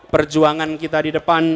perjuangan kita di depan